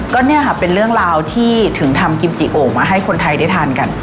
ก็เนี่ยค่ะเป็นเรื่องราวที่ถึงทำกิมจิโอ่งมาให้คนไทยได้ทานกัน